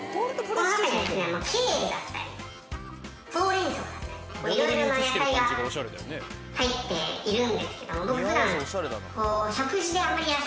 いろいろな野菜が入っているんですけど。